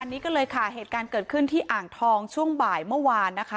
อันนี้ก็เลยค่ะเหตุการณ์เกิดขึ้นที่อ่างทองช่วงบ่ายเมื่อวานนะคะ